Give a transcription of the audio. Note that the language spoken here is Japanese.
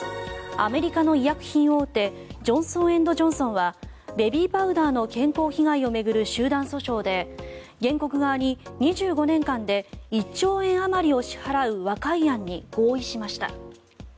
アメリカの医薬品大手ジョンソン・エンド・ジョンソンはベビーパウダーの健康被害を巡る集団訴訟で原告側に２５年間で１兆円あまりを支払う和解案に合意しました。